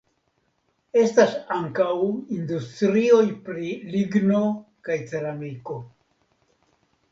Estas ankaŭ industrioj pri ligno kaj ceramiko.